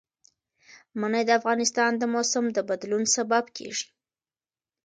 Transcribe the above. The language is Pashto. منی د افغانستان د موسم د بدلون سبب کېږي.